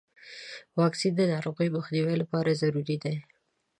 واکسین د ناروغیو مخنیوي لپاره ضروري دی.